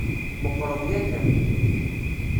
Meqqreḍ yakan.